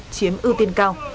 chiếm ưu tiên cao